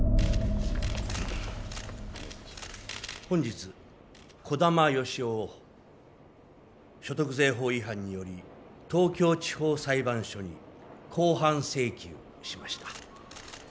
本日児玉誉士夫を所得税法違反により東京地方裁判所に公判請求しました。